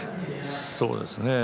そうですね。